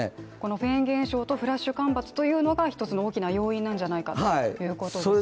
フェーン現象とフラッシュ干ばつというのが一つの大きな要因なんじゃないかということですね。